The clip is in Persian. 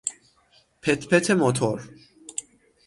پت پت موتور